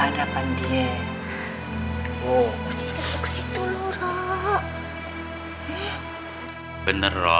masih dikepuk ke situ rod